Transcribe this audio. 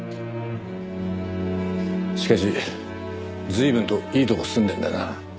しかし随分といいとこ住んでるんだな。